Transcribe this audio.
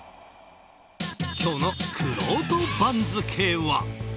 今日のくろうと番付は。